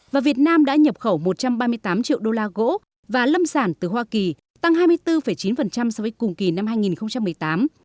và việt nam đã nhập khẩu một trăm ba mươi tám triệu đô la gỗ và lâm sản từ hoa kỳ tăng hai mươi bốn chín so với cùng kỳ năm hai nghìn một mươi tám